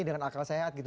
dengan akal sehat